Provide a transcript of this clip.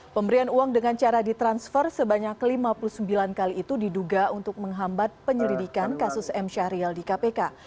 pemberian uang dengan cara ditransfer sebanyak lima puluh sembilan kali itu diduga untuk menghambat penyelidikan kasus m syahrial di kpk